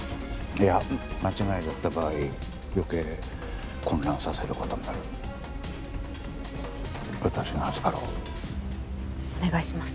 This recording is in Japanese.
いや間違いだった場合余計混乱させることになる私が預かろうお願いします